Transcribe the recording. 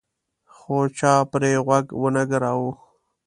خو چا پرې غوږ ونه ګراوه.